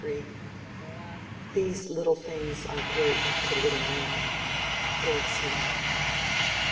These little things are great to little man.—GOLDSMITH.